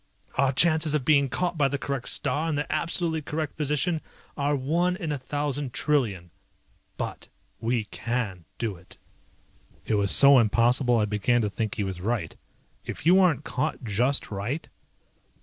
Our chances of being caught by the correct star in the absolutely correct position are one in a thousand trillion, but we can do it!" It was so impossible I began to believe he was right. "If you aren't caught just right?"